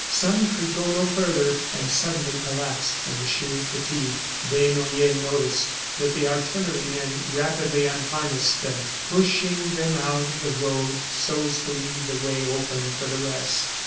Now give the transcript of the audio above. Some could go no further and suddenly collapsed from sheer fatigue. Desnoyers noticed that the artillerymen rapidly unharnessed them, pushing them out of the road so as to leave the way open for the rest.